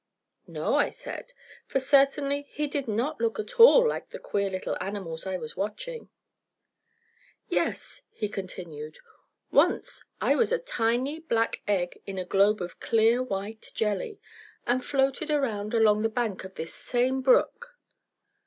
"No," I said, for certainly he did not look at all like the queer little animals I was watching. "Yes," he continued, "once I was a tiny black egg in a globe of clear white jelly, and floated around along the bank of this same brook.